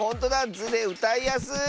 「ズ」でうたいやすい！